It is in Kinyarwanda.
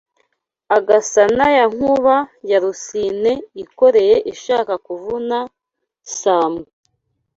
Agasa na ya nkuba ya Rusine Ikoreye ishaka kuvuna sambwe